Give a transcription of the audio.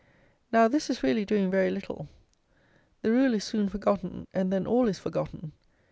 Now this is really doing very little. The rule is soon forgotten, and then all is forgotten.